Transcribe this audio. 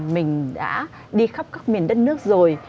mình đã đi khắp các miền đất nước rồi